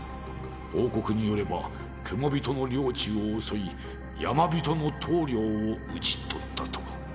報告によればケモビトの領地を襲いヤマビトの頭領を討ち取ったと。